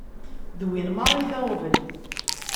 D win merra i d aɣbel.